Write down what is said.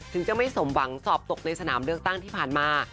ถึงจะไม่สมหวังสอบตกในสนามเลือกตั้งที่ผ่านมา